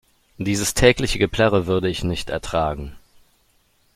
Dieses tägliche Geplärre würde ich nicht ertragen.